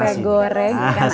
masih anget sama ikan nasi